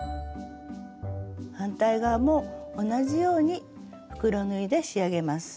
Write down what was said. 反対側も同じように袋縫いで仕上げます。